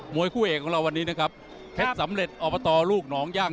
วยคู่เอกของเราวันนี้นะครับเพชรสำเร็จอบตลูกหนองย่าง